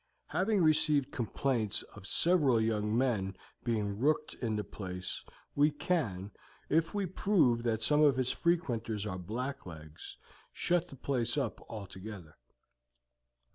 Having received complaints of several young men being rooked in the place, we can, if we prove that some of its frequenters are blacklegs, shut the place up altogether.